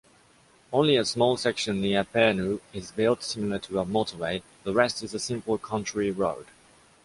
Only a small section near Pärnu is built similiar to a motorway, the rest is a simple country road.